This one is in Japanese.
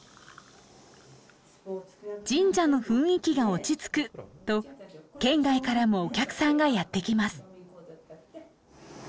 神社の雰囲気が落ち着くと県外からもお客さんがやってきます。